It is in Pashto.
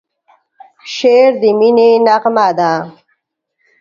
شعر د مینې نغمه ده.